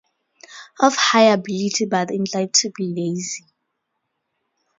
Of high ability, but inclined to be lazy.